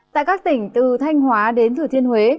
tại các tỉnh từ thanh hóa đến thừa thiên huế